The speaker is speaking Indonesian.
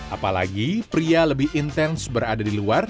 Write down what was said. apalagi pria lebih intens berada di luar